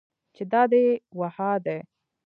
چې دا دي و ها دي.